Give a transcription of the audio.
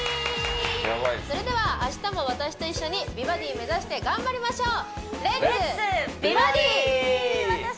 それでは明日も私と一緒に美バディ目指して頑張りましょう「レッツ！美バディ」また明日！